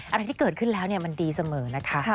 อะไรที่เกิดขึ้นแล้วมันดีเสมอนะคะ